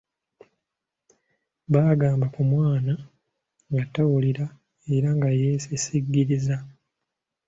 Bagamba ku mwana nga tawulira era nga yeesisiggiriza.